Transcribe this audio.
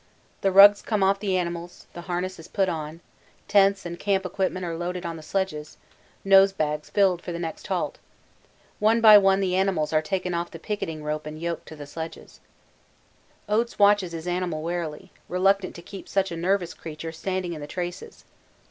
The rugs come off the animals, the harness is put on, tents and camp equipment are loaded on the sledges, nosebags filled for the next halt; one by one the animals are taken off the picketing rope and yoked to the sledge. Oates watches his animal warily, reluctant to keep such a nervous creature standing in the traces.